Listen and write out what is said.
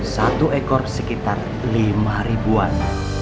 satu ekor sekitar lima ribuan